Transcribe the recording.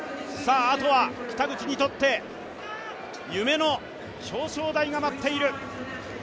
あとは北口にとって夢の表彰台が待っている。